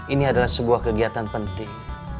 ini adalah sebuah kegiatan penting